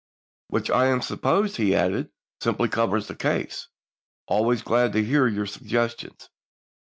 " Which I sup pose," he adds simply, "covers the case. Always i«£!yMs. glad to hear your suggestions."